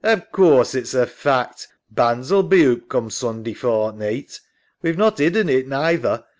Of course it's a fact. Bann's 'ull be oop come Sun day fortneeght. We've not 'idden it neither.